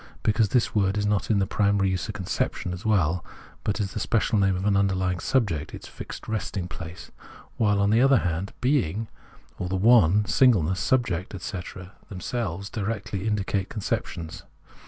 because this word is not in its primary use a conception as well, but the special name of an underlying subject, its fixed resting place ; while, on the other hand, being or the one, singleness, sub ject, etc., themselves directly indicate conceptions.